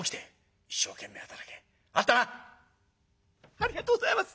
「ありがとうございます。